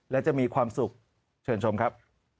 และจะมีความสุขเชิญชมครับ